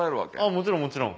もちろんもちろん。